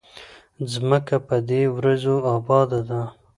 ځمکه په دې وريځو اباده ده